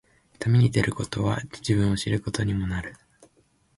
旅に出ることは、自分を知ることにもなる。